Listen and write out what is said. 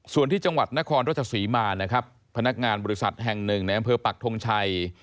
ส่วนที่จังหวัดนครราชสุริมาพนักงานบริษัทแห่ง๑ในอำเภอปรักษ์ทรงชัย